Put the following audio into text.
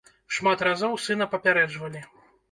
Шмат разоў сына папярэджвалі.